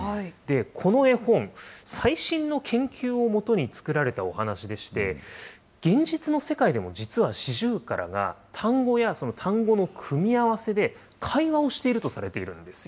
この絵本、最新の研究をもとに作られたお話でして、現実の世界でも実はシジュウカラが単語や、その単語の組み合わせで会話をしているとされているんですよ。